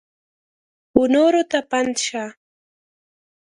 ونورو ته پند شه !